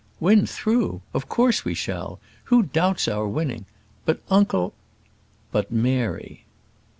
"Win through! Of course we shall; who doubts our winning? but, uncle " "But, Mary."